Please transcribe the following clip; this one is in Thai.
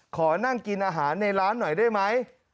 ขอนั่งกินอาหารในร้านหน่อยได้ไหม